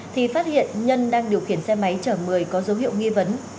thì phát hiện nhân đang điều khiển xe máy chở một mươi có dấu hiệu nghi vấn